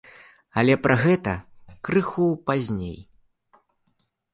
Але пра гэта крыху пазней.